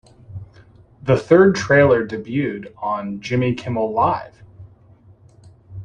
The third trailer debuted on Jimmy Kimmel Live!